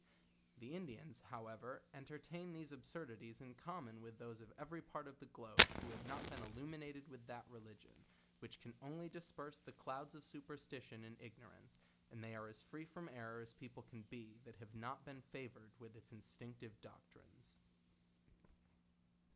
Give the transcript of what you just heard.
The Indians, however, entertain these absurdities in com mon with those of every part of the globe who have not been illuminated with tbat religion, which can only disperse the clouds of superstition and ignorance, and they are as free from error as people can be, that have not been fovoured with its instructive doctrines.